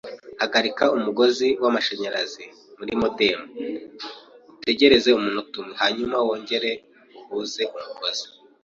Hagarika umugozi wamashanyarazi muri modem, utegereze umunota umwe, hanyuma wongere uhuze umugozi.